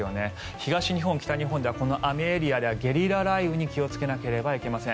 東日本、北日本ではこの雨エリアではゲリラ雷雨に気をつけなければいけません。